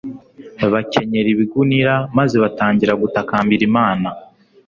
bakenyera ibigunira, maze batangira gutakambira imana